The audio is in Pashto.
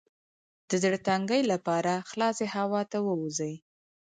د زړه د تنګي لپاره خلاصې هوا ته ووځئ